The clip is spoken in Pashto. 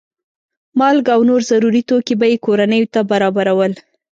مالګه او نور ضروري توکي به یې کورنیو ته برابرول.